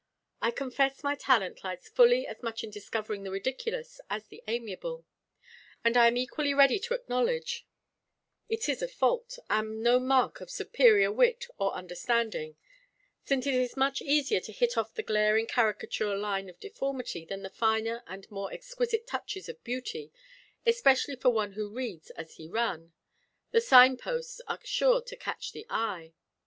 I confess my talent lies fully as much in discovering the ridiculous as the amiable; and I am equally ready to acknowledge it is a fault, and no mark of superior wit or understanding; since it is much easier to hit off the glaring caricature line of deformity than the finer and more exquisite touches of beauty, especially for one who reads as he run the sign posts are sure to catch the eye.